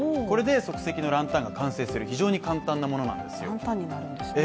これで即席のランタンが完成する、非常に簡単なものなんですよ。